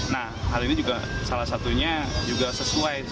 nah hal ini juga salah satunya juga sesuai